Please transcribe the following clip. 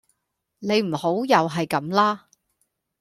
你唔好又係咁啦